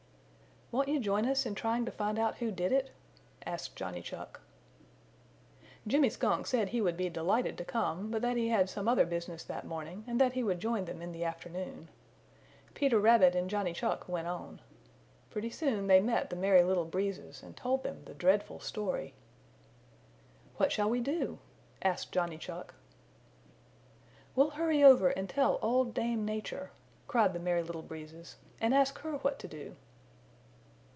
"Won't you join us in trying to find out who did it?" asked Johnny Chuck. Jimmy Skunk said he would be delighted to come but that he had some other business that morning and that he would join them in the afternoon. Peter Rabbit and Johnny Chuck went on. Pretty soon they met the Merry Little Breezes and told them the dreadful story. "What shall we do?" asked Johnny Chuck. "We'll hurry over and tell Old Dame Nature," cried the Merry Little Breezes, "and ask her what to do."